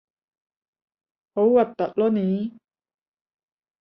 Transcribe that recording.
好核突囉你